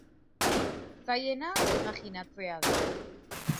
Zailena, imajinatzea da.